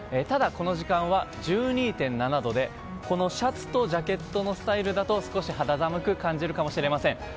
ただ、この時間は１２．７度でこのシャツとジャケットのスタイルだと少し肌寒く感じるかもしれません。